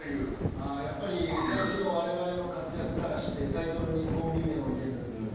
あやっぱり最近の我々の活躍からしてタイトルにコンビ名を入れる自然な流れ。